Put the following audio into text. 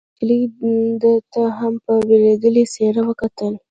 نجلۍ ده ته هم په وېرېدلې څېره وکتل.